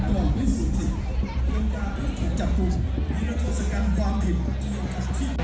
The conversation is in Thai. ตอนนี้สุดที่เพลงการพูดถึงจากภูมิในรัฐธุรกรรมความพิมพ์ที่มีความพิมพ์